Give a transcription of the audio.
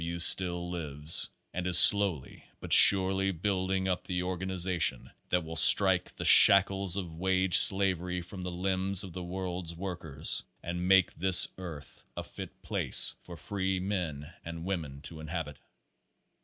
W. still lives and is slowly but surely building up the organization that will strike the shackles of wage slavery from the limbs of the world's workers and make this earth a fit place for free men and women to inhabit.